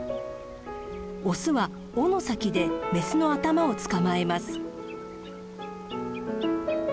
オスは尾の先でメスの頭を捕まえます。